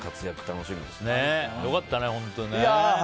良かったね、本当にね。